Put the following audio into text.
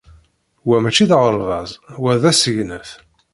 Wa maci d aɣerbaz. Wa d asegnaf.